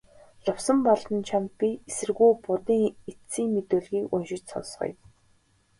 Лувсанбалдан чамд би эсэргүү Будын эцсийн мэдүүлгийг уншиж сонсгоё.